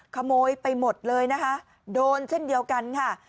ขโมยไปหมดเลยนะคะโดนเช่นเดียวกันค่ะ